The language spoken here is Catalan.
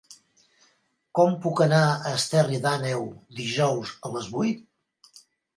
Com puc anar a Esterri d'Àneu dijous a les vuit?